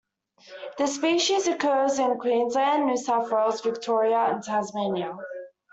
The species occurs in Queensland, New South Wales, Victoria and Tasmania.